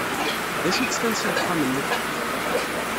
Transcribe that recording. D acu-tt tansa n wexxam-nnek?